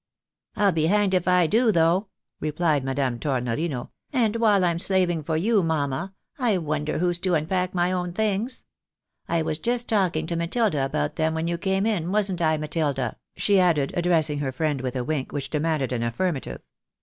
" I'U be hanged if I do, though," replied Madame Tornorino ;" and while I'm slaving for you, mamma, I wonder who's to unpack my own things ? I was just talking to Matilda about them when you came in, wasn't I, MatUda ?" she added, addressing her friend with a wink, which demanded an affirmative.